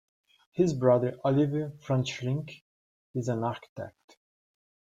His brother, Oliver Freundlich, is an architect.